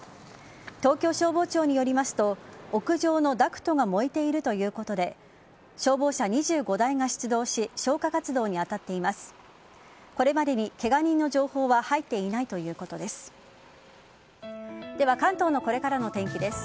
東京消防庁によりますと屋上のダクトが燃えているということで消防車２５台が出動し消火活動に当たっています。